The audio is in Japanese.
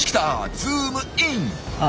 ズームイン！